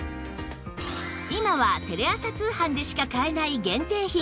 今はテレ朝通販でしか買えない限定品